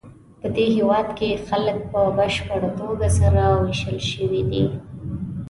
پدې هېواد کې خلک په بشپړه توګه سره وېشل شوي دي.